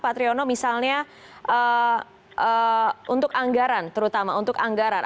pak triyono misalnya untuk anggaran terutama untuk anggaran